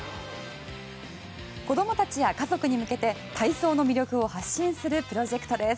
子供たちや家族に向けて体操の魅力を発信するプロジェクトです。